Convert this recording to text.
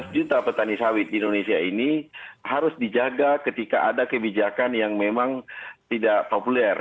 lima ratus juta petani sawit di indonesia ini harus dijaga ketika ada kebijakan yang memang tidak populer